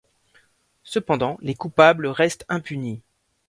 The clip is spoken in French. Cependant, les coupables restent impunis.